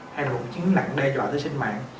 hay là một cái chứng nặng đe dọa tới sinh mạng